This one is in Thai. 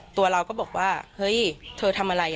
ตัวเราก็บอกว่าเฮ้ยเธอทำอะไร